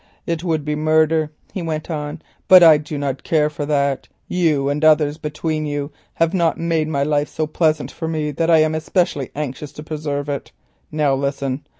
"It would be murder," he went on, "but I do not care for that. You and others between you have not made my life so pleasant for me that I am especially anxious to preserve it. Now, listen.